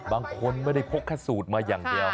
บางคนไม่ได้พกแค่สูตรมาอย่างเดียว